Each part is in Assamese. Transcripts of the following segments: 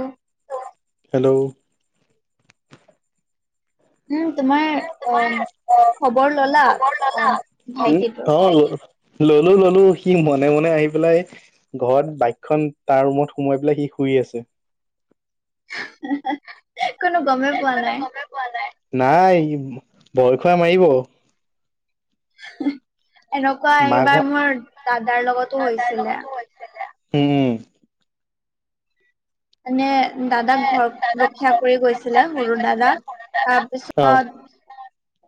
অ হেল্ল উম তোমাৰ অ খবৰ ললা খবৰ ললা অ' উম ভাইটিটোৰ অ ল ললো ললো সি মনে মনে আহি পেলাই ঘৰত বাইকখন তাৰ ৰুমত সোমাই পেলাই সি শুই আছে। হে হে হেহ কোনো গমেই পোৱা নাই। গমে পোৱা নাই নাই সি ভয় খোৱাই মাৰিব হেহ এনেকুৱা মাক এইবাৰ মোৰ দাদাৰ লগতো হৈছিলে খেলা উম উম মানে দাদাক ঘৰ ৰক্ষিয়া কৰি গৈছিলে সৰু দাদাক অ তাৰপিছত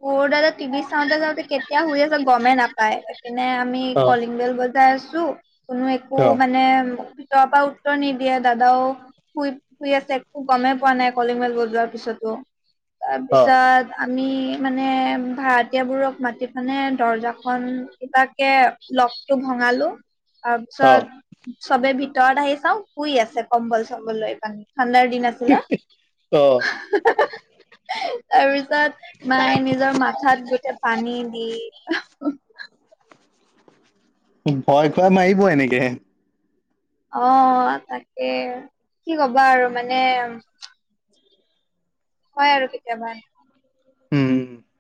সৰু দাদা টিভি চাওঁতে চাওঁতে কেতিয়া শুই আছে গমেই নাপায় এইপিনে আমি অ কলিং বেল বজাই আছো কোনো একো অ মানে ভিতৰৰ পৰা উত্তৰ নিদিয়ে দাদাও শুই শুই আছে একো গমেই পোৱা নাই কলিংবেল বজোৱাৰ পিছতো তাৰ অ পিছত আমি মানে ভাড়াতীয়া বোৰক মাতি পানে দৰ্জা খন কিবাকে লক টো ভঙালো অ তাৰপিছত চবে ভিতৰত আহি চাওঁ শুই আছে কম্বল চম্বল লৈ মানে ঠাণ্ডাৰ দিনত শুনা অ [unintelligible] তাৰপিছত মায়ে নিজৰ মাথাত গোতে পানী দি। ভয় খুৱাই মাৰিব এনেকে। অ তাকে কি কবা আৰু মানে। হয় আৰু কেতিয়াবা। উম উ।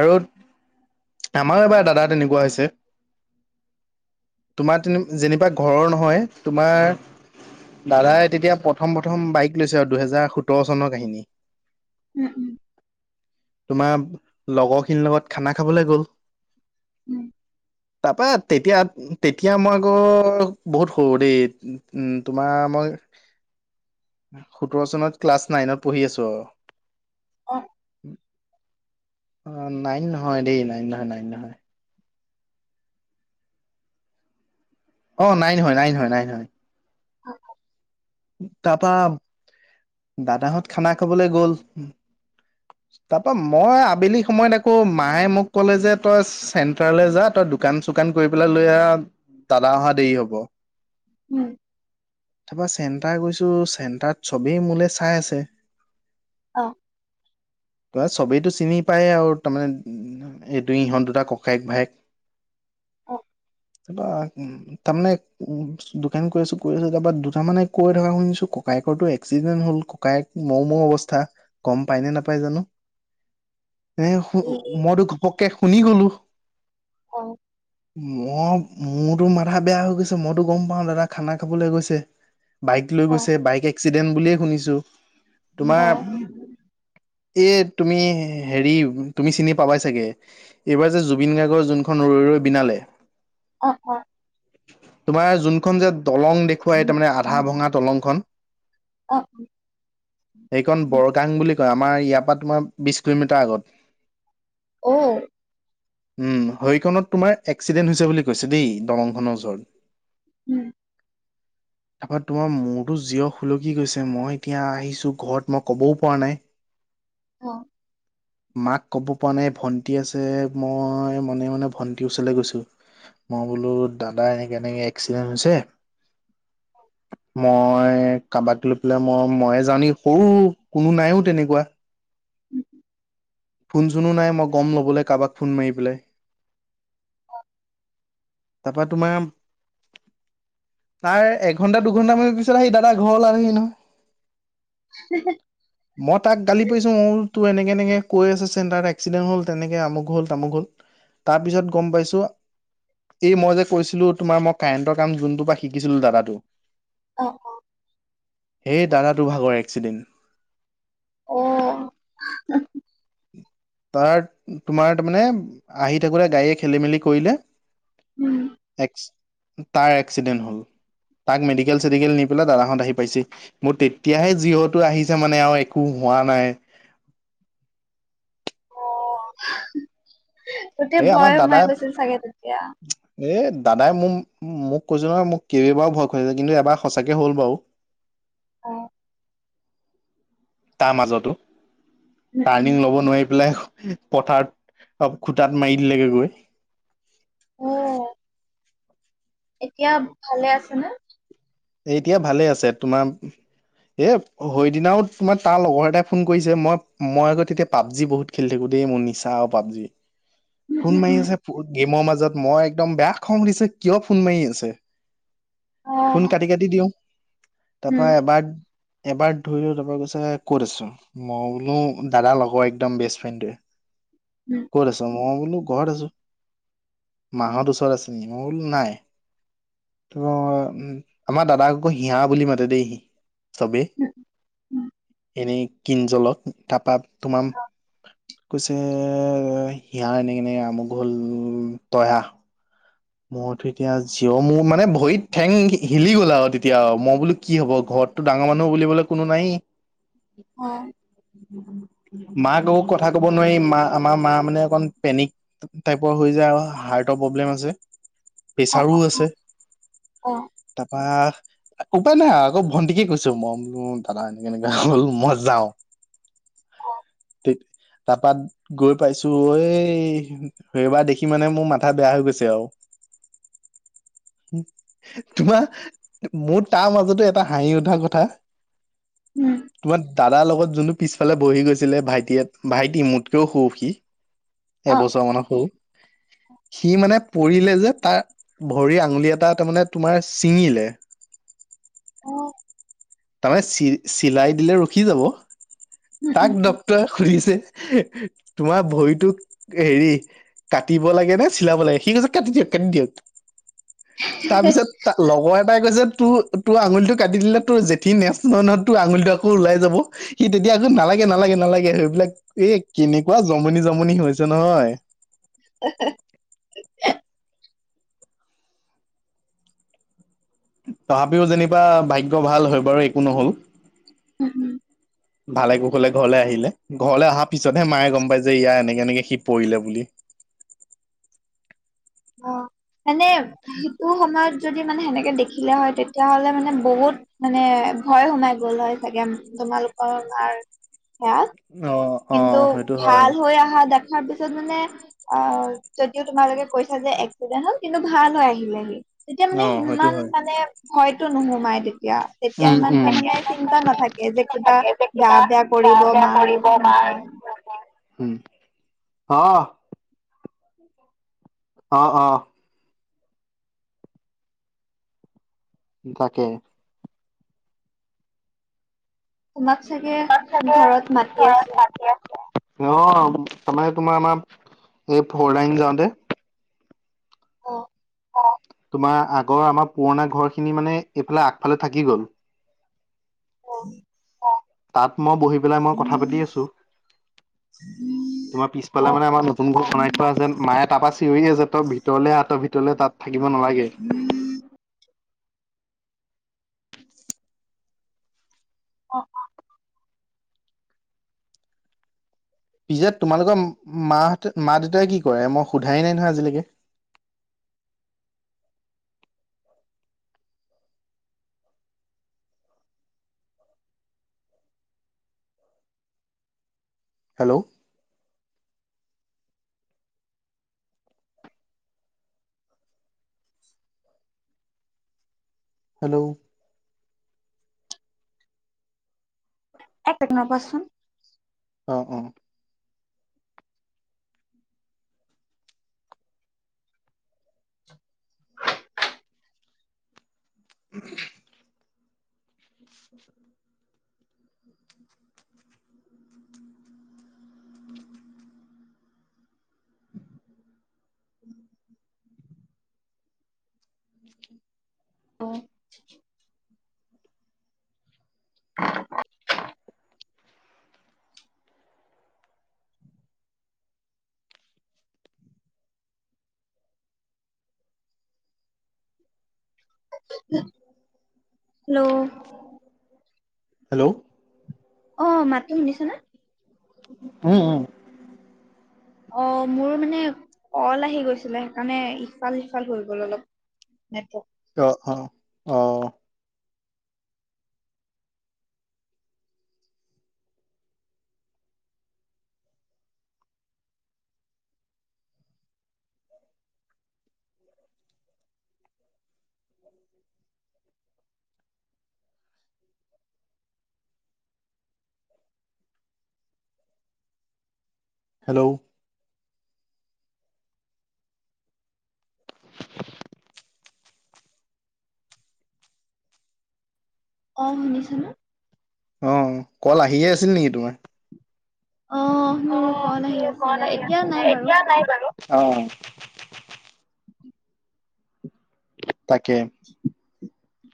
আৰু। আমাৰো এবাৰ দাদা তেনেকুৱা হৈছে। তোমাৰ তে যেনিবা ঘৰৰ নহয় তোমাৰ। দাদাই তেতিয়া প্ৰথম প্ৰথম বাইক লৈছে আৰু দুহেজাৰ সোতৰ চনৰ কাহিনী উম উম। তোমাৰ লগৰখিনিৰ লগত খানা খাবলৈ গ'ল। উম। তাৰপৰা তেতিয়া তেতিয়া মই আকৌ বহুত সৰু দেই তোমাৰ মই। [unintelligible] সোতৰ চনত ক্লাছ নাইনত পঢ়ি আছো আৰু। উম অ অ নাইন নহয় দেই নাইন নহয় নাইন নহয়। অ নাইন হয় নাইন হয় নাইন হয়। [unintelligible] তাপা দাদাহত খানা খাবলৈ গ'ল। [unintelligible] তাপা মই আবেলি সময়ত আকৌ মায়ে মোক ক'লে যে তই চেণ্টাৰলৈ যা তই দো। কান চুকান কৰি পেলাই লৈ আহ দাদা অহা দেৰি হ'ব। উম। তাপা চেণ্টাৰ গৈছো চেণ্টাৰত চবেই মোলে চাই আছে। অঁ। ত চবেইটো চিনি পায় আৰু তাৰমানে। এই দুই ইহঁত দুটা ককায়েক ভায়েক। অ পা তাৰ মানে উ তাৰমানে উ দোকান কৰি আছো কৰি আছো তাৰপা দুটা মানে। কৈ থকা শুনিছো ককায়কৰটো এক্সিডেন্ট হ'ল ককায়েক মৰোমৰো অৱস্থা। গম পায় নে নাপায় জানো। [inaudible] এ হ ই মইতো ঘপককে শুনি গলো। অ মই মোৰতো মাথা বেয়া হৈ গৈছে মইতো গম পাও দাদা খানা খাবলৈ গৈছে। বাইক লৈ অ গৈছে বাইক এক্সিডেন্ট বুলিয়ে শুনিছো অ তোমাৰ। এ তুমি হেৰি তুমি চিনি পাবাই চাগে। এইবাৰ যে জুবিন গাৰ্গৰ যোনখন ৰৈ ৰৈ বিনালে। অ অ। তোমাৰ যোনখন যে দলং দেখুৱাই তাৰমানে আধা ভঙা দলংখন। অ সেইখন বৰগাং বুলি। কয় আমাৰ ইয়াৰ পৰা তোমাৰ বিশ কিলোমিটাৰ আগত। অও উম হৰিকণত তোমাৰ এক্সিডেণ্ট হৈছে বুলি কৈছে দেই দলংখনৰ ওচৰত। উম। তাপা তোমাৰ মোৰতো জিৰ খুলকি গৈছে মই এতিয়া আহিছো ঘৰত মই ক'বও পৰা নাই। অ [unintelligible] মাক ক'ব পৰা নাই ভণ্টি আছে মই মনে-মনে ভণ্টিৰ ওচৰলৈ গৈছোঁ। [inaudible] মই বোলো দাদা এনেকে-এনেকে এক্সিডেণ্ট হৈছে। [inaudible] হয় [inaudible] মই কাৰোবাক লৈ পেলাই মই মইয়ে যাওঁ নেকি সৰু কোনো নাইও তেনেকুৱা। [inaudible] উম [inaudible] ফোন-চোনো নাই মই গ'ম ল'বলৈ কাৰোবাক ফোন মাৰি পেলাই। [inaudible] তাৰপা তোমাৰ [inaudible] তাৰ [inaudible] একঘণ্টা, দুঘণ্টামানৰ পিছত আহি দাদা ঘৰ ওলালেহি নহয়। [inaudible] [unintelligible] মই তাক গালি পাৰিছোঁ মোৰ তোৰ এনেকে-এনেকে কৈ আছে চেণ্টাৰত এক্সিডেণ্ট হ'ল। তেনেকে আমোক হ'ল, তামোক হ'ল। [inaudible] তাৰ পিছত গম পাইছোঁ [inaudible] এই মই যে কৈছিলোঁ তোমাৰ মই কাৰেণ্টৰ কাম যোনটো পৰা শিকিছিলোঁ দাদাটো [inaudible] অঁ-অঁ! [unintelligible] সেই দাদাটো ভাগৰ এক্সিডেণ্ট। [unintelligible] অ! [inaudible] তাৰ তোমাৰ তাৰ মানে আহি থাকোঁতে গাড়ীয়ে খেলি মেলি কৰিলে। [unintelligible] উম! [inaudible] এক্স তাৰ এক্সিডেণ্ট হল তাক মেডিকেল-চেডিকেল নি পেলাই দাদাহঁত আহি পাইছে [inaudible] মোৰ তেতিয়াহে জিৱতো আহিছে মানে আৰু একো হোৱা নাই। [unintelligible] অঁ! [unintelligible] গোটেই এই আমাৰ ভয় সোমাই দাদাই গৈছিল চাগে তেতিয়া? এ দাদাই মোক-মোক কৈছো নহয় মোক কেইবাৰো ভয় খুৱাইছে। কিন্তু এবাৰ সঁচাকে হ'ল বাৰু। [unintelligible] অঁ। [inaudible] তাৰ মাজতো উম উম টাৰ্ণিং ল'ব নোৱাৰি পেলাই [unintelligible] পথাৰত অ! খুটাত মাৰি দিলেগে গৈ। [unintelligible] উম [inaudible] এতিয়া ভালে আছে নে? [inaudible] এতিয়া ভালে আছে তোমাৰ [unintelligible] এ সেইদিনাও তোমাৰ তাৰ লগৰ এটাই ফোন কৰিছে মই-মই আকৌ তেতিয়া পাবজি বহুত [unintelligible] খেলি থাকোঁ দেই মোৰ নিচা পাবজি [inaudible] উম ফোন উম মাৰি উম আছে গেমৰ মাজত মই একদম বেয়া খং উঠিছে কিয় ফোন মাৰি আছে। [unintelligible] অ ফোন কাটি-কাটি দিওঁ তাৰ পৰা উম এবাৰ-এবাৰ ধৰিলো তাৰপা কৈছে ক'ত আছোঁ। [inaudible] মই বোলো দাদাৰ লগৰ একদম বেষ্ট ফ্ৰেণ্ডে উম ক'ত আছো [inaudible] মই বোলো ঘৰত আছোঁ। [inaudible] মাহঁত ওচৰত আছে নি? মই বোলো নাই। [inaudible] আমাৰ দাদাক আকৌ হিয়া বুলি মাতে দেই চবে। উম উম এনেই [unintelligible] কিনজলক তাৰপা তোমাৰ [inaudible] কৈছে হিয়াৰ এনেকে-এনেকে আমোক হ'ল ত‌ই আহ। [inaudible] মইতো এতিয়া জিৱ মোৰ মানে ভৰিত ঠেং হিলি গ'ল আৰু তেতিয়া মই বোলো কি হ'ব ঘৰত? [inaudible] তটো ডাঙৰ মানুহ বুলিবলৈ কোনো নাইয়েই। [unintelligible] হয় [unintelligible] মাক আকৌ কথা ক'ব নোৱাৰি মা আমাৰ মা মানে অকণমান পেনিক [inaudible] টাইপৰ হৈ যায় আৰু হাৰ্টৰ প্ৰব্লেম আছে। [inaudible] অ প্ৰেছাৰো অ আছে। অ তাৰপৰা [unintelligible] একো পাই নাই আকৌ ভণ্টিকে কৈছোঁ মই বোলো দাদা এনেকে-এনেকে হ'ল মই যাওঁ। [inaudible] অ। [unintelligible] গৈ পাইছো এই সেইবাৰ দেখি মানে মোৰ মাথা বেয়া হৈ গৈছে আও তোমাৰ মোৰ তাৰ মাজতো এটা হাঁহি উঠা কথা। উম তোমাৰ। দাদাৰ লগত যোনটো পিছফালে বহি গৈছিলে ভাইটিয়ে ভাইটি মোতকেও সৰু সি অ এবছৰ মানৰ সৰু সি মানে - পৰিলে যে তাৰ ভৰি আঙুলি এটা তাৰ মানে তোমাৰ ছিঙিলে। অ। তাৰমানে চি চিলাই দিলে ৰখি যাব। উম উম তাক ডক্তৰে সুধিছে - তোমাৰ ভৰিটোক হেৰি - কাটিব লাগে নে চিলাব লাগে, সি কৈছে কাটি দিয়ক কাটি দিয়ক তাৰপিছত তা লগৰ এটাই কৈছে তোৰ তোৰ আঙুলিটো কাটি দিলে তোৰ যে- ঠি নেচ নহয় নহয় তোৰ আঙুলিটো আকৌ ওলাই যাব। সি তেতিয়া আকৌ নালাগে নালাগে নালাগে সেইবিলাক এ কেনেকুৱা জমনি জমনি হৈছে নহয়। হেঁ হেঁ তথাপিও যেনিবা ভাগ্য ভাল হয় বাৰু একো নহল। [unintelligible] ভালে কুশলে ঘৰলে আহিলে, ঘৰলে অহাৰ পিছতহে মায়ে গম পায় যে ইয়াৰ এনেকে এনেকে সি পৰিলে বুলি অ, মানে সেইটো সময়ত যদি মানে সেনেকে দেখিলে হয় তেতিয়াহ'লে মানে বহুত মানে ভয় সোমাই গল হয় চাগে তোমালোকৰ মাৰ সেয়াত অ। কিন্তু সেইটো হয় ভাল হৈ অহা দেখাৰ পিছত মানে, অ যদিও তোমালোকে কৈছা যে এক্সিডেন্ট হ'ল, কিন্তু ভাল হৈ আহিলেহি। তেতিয়া মানে অ সেইটো সিমান হয় মানে ভয়তো নোহোমাই তে- তিয়া তেতিয়া উম উম ইমানটা মানে চিন্তা নাথাকে যে কিবা গা বেয়া কৰিব মাৰ নহয়। উম, অ। অ অ। তাকে। তোমাক চাগে ঘৰত মাতি আছে? অ আমাৰ তোমাৰ আমাৰ এই ফৰলাইন যাওঁতে অ। অ, তোমাৰ আগৰ আমাৰ পুৰণা ঘৰ খিনি মানে এইফালে আগফালে থাকি গ'ল। অ। তাত মই বহি পেলাই মই কথা পাতি আছো। [unintelligible] তোমাৰ পিছ অ পালে মানে অ আমাৰ নতুন ঘৰ বনাই থোৱা আছে মায়ে তাৰপৰা চিঞৰি আছে ত‌ই ভিতৰলে আহ ত‌ই ভিতৰলে তাত থাকিব নালাগে। [unintelligible] অ' অ। পিছে তোমালোকৰ মাহঁতে মা দেউতাই কি কৰে মই সোধাই নাই নহয় আজিলেকে। হেল্লো' হেল্লো' এক চেকেণ্ড ৰব চোন অ অ [unintelligible] [unintelligible] [unintelligible] [unintelligible] [inaudible] অ [unintelligible] হেল্ল হেল্ল' অ অ মাততো শুনিছ নে উম উম অ মোৰ মানে কল আহি গৈছিলে সেইকাৰণে ইফাল সিফাল হৈ গ'ল অলপ নেটৱৰ্ক অ অ অ হেল্ল' অ শুনিছ নে অ কল আহিয়ে আছিল নেকি তোমাৰ অ মোৰ কল আহি কল আছিলে আহি এতিয়া আছিলে নাই বাৰু এতিয়া নাই বাৰু তাকে [unintelligible]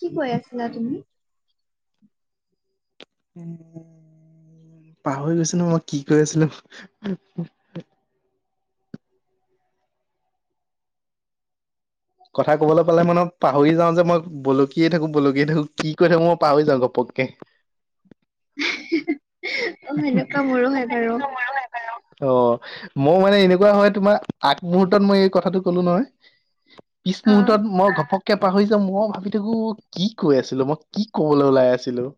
কি কৈ আছিলা তুমি পাহৰি গৈছো নহয় মই কি কৈ আছিলো কথা কবলৈ পালে মানে পাহৰি যাওঁ যে মই বলকিয়ে থাকো বলকিয়ে থাকো কি কৈ থাকো মই পাহৰি যাওঁ ঘপককে [unintelligible] ত অ সেনেকুৱা [unintelligible] মোৰো হয় বাৰু অ মই মানে এনেকুৱা হয় তোমাৰ আগমহুৰ্তত মই এই কথাটো কলো নহয় পিছ অ মুহৰ্তত মই ঘপক কে পাহৰি যাম মই ভাবি থাকো কি কৈ আছিলো মই কি কবলৈ ওলাই আছিলো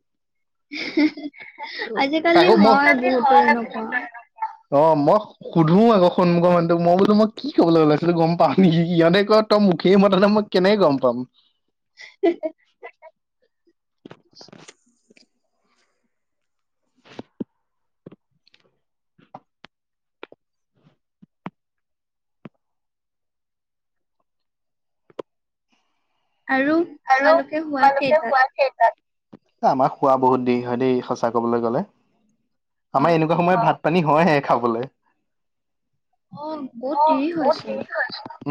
আজিকালি তাকো মই হয় বহুতৰ এনেকুৱা। অ ম সুধো আকৌ সন্মুখৰ মানু্হটোক মই বোলো মই কি কব'লৈ ওলাইছিলো গম পাম নেকি সিহতে কয় ত মুখেই মতা নাই মই কেনেকে গম পাম [unintelligible] আৰু তোমালোকে শুৱা কেইটাত আমাৰ শুৱা বহুত দেৰি হয় দেই সঁচা কবলে গলে অ আমাৰ এনে সময়ত ভাত পানী হয়হে খাবলে অ বহুত দেৰি হৈ চোন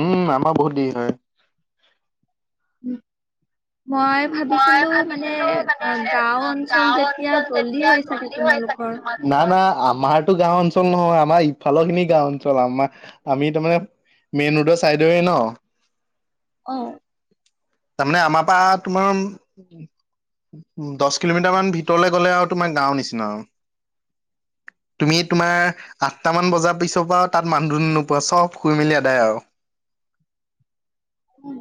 উম আমাৰ বহুত দেৰি হয় উম মই ভাবিছিলো মানে অ গাওঁ অঞ্চল যেতিয়া জল্দি হয় চাগে তোমালোকৰ না না আমাৰতো গাওঁ অঞ্চল নহয় আমাৰ ইফালৰ খিনি গাওঁ অঞ্চল আমাৰ আমি তাৰমানে মেইন ৰোডৰ ছাইডৰে ন অঁ তাৰমানে আমাৰপা তোমাৰ দহ কিলোমিটাৰমান ভিতৰলৈ গ'লে আৰু তোমাৰ গাঁৱৰ নিচিনা আৰু। তুমি তোমাৰ আঠটামান বজাৰ পিছৰ পৰা তাত মানুহ ধ নোপোৱা, চব শুই মেলি আদায় আৰু। উম।